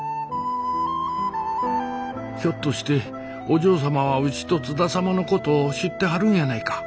ひょっとしてお嬢様はうちと津田様のことを知ってはるんやないか。